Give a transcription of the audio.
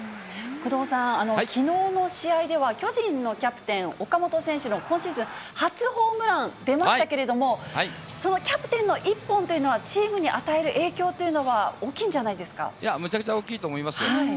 工藤さん、きのうの試合では、巨人のキャプテン、岡本選手の今シーズン初ホームラン出ましたけれども、そのキャプテンの一本というのは、チームに与える影響というのは、大きいんむちゃくちゃ大きいと思いますよ。